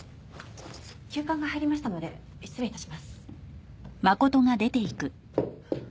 急患が入りましたので失礼致します。